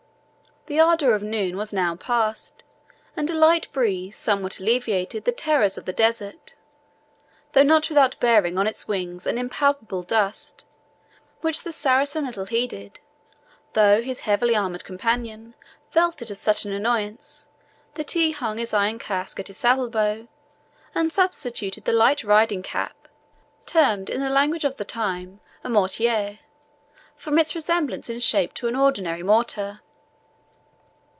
The ardour of noon was now past, and a light breeze somewhat alleviated the terrors of the desert, though not without bearing on its wings an impalpable dust, which the Saracen little heeded, though his heavily armed companion felt it as such an annoyance that he hung his iron casque at his saddle bow, and substituted the light riding cap, termed in the language of the time a MORTIER, from its resemblance in shape to an ordinary mortar.